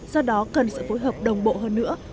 do đó cần sự phối hợp đồng bộ hơn nữa